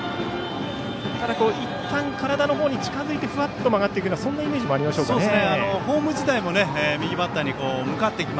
ただ、いったん体のほうに近づいてふわっと曲がるようなそんなイメージもあるでしょうかね。